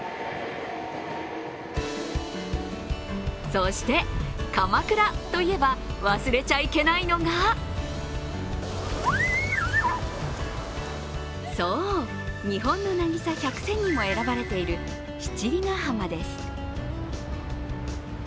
そして、鎌倉といえば忘れちゃいけないのがそう、日本の渚１００選にも選ばれている七里ヶ浜です。